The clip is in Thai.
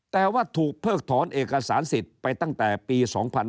แต่ว่าถูกเพิกถอนเอกสารสิทธิ์ไปตั้งแต่ปี๒๕๕๙